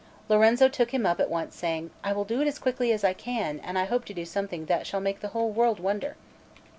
Lorenzo took him up at once, saying: "I will do it as quickly as I can, and I hope to do something that shall make the whole world wonder."